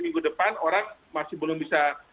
minggu depan orang masih belum bisa